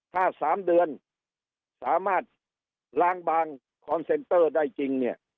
ถ้า๓เดือนสามารถล้างบางคอนเซนเตอร์ได้จริงเนี่ย